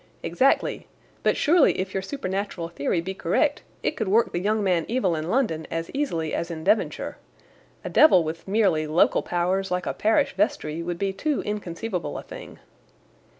"Exactly. But surely, if your supernatural theory be correct, it could work the young man evil in London as easily as in Devonshire. A devil with merely local powers like a parish vestry would be too inconceivable a thing."